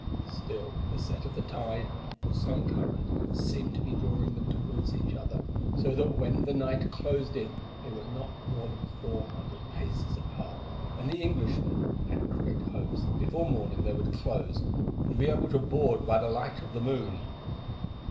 Still the set of the tide, or some current, seemed to be drawing them towards each other, so that when the night closed in they were not more than four hundred paces apart, and the Englishmen had great hopes that before morning they would close, and be able to board by the light of the moon.